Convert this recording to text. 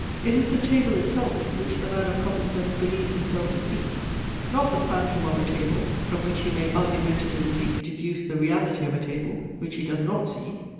It is the table itself, which the man of common sense believes himself to see, not the phantom of a table, from which he may argumentatively deduce the reality of a table, which he does not see.